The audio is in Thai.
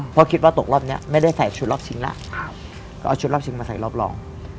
เพราะคิดว่าตกรอบนี้ไม่ได้ใส่ชุดรอบชิงแล้วก็เอาชุดรอบชิงมาใส่รอบรอง